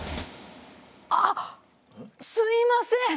あっすいません。